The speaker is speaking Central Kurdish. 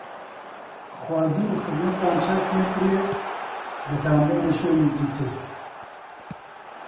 خواردن و خزمەتتان چاک نەکرێ، دەتانبەینە شوێنێکی تر